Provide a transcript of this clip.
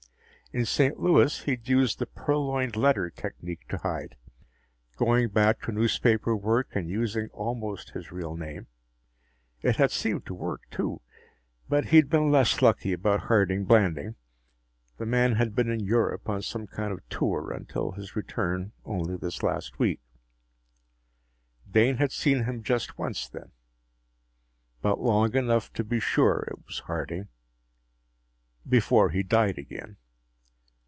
In St. Louis, he'd used the "Purloined Letter" technique to hide going back to newspaper work and using almost his real name. It had seemed to work, too. But he'd been less lucky about Harding Blanding. The man had been in Europe on some kind of a tour until his return only this last week. Dane had seen him just once then but long enough to be sure it was Harding before he died again.